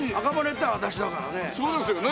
そうですよね。